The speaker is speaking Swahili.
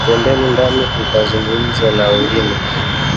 Twendeni ndani tukazungumze na wengine